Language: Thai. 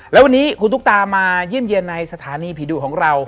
แล้ววันนี้คุณตุ๊กตามาเยี่ยมเยี่ยมในสถานีผีดุของเรา